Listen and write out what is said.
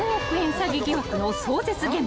詐欺疑惑の壮絶現場］